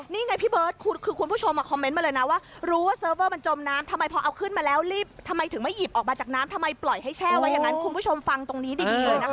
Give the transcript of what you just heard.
นี่ไงพี่เบิร์ตคือคุณผู้ชมมาคอมเมนต์มาเลยนะว่ารู้ว่าเซิร์ฟเวอร์มันจมน้ำทำไมพอเอาขึ้นมาแล้วรีบทำไมถึงไม่หยิบออกมาจากน้ำทำไมปล่อยให้แช่ไว้อย่างนั้นคุณผู้ชมฟังตรงนี้ดีเลยนะคะ